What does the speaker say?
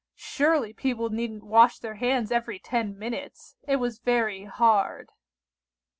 Surely people needn't wash their hands every ten minutes! It was very hard!